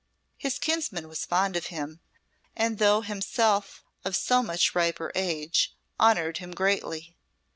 His kinsman was fond of him, and though himself of so much riper age, honoured him greatly.